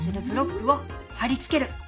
ブロックを貼り付ける。